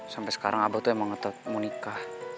sampai sekarang abah tuh emang mau nikah